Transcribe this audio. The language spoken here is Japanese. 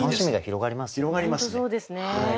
広がりますね。